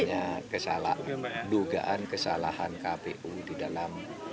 ada kesalahan dugaan kesalahan kpu di dalam